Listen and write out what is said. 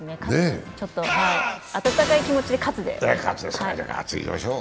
温かい気持ちで喝で。